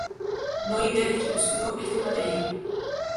No Idea distribuyó este material.